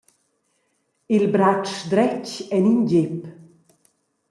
Il bratsch dretg en in gep.